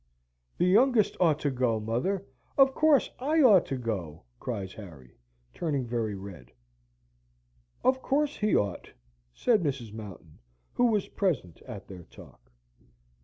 "The youngest ought to go, mother; of course I ought to go!" cries Harry, turning very red. "Of course he ought," said Mrs. Mountain, who was present at their talk.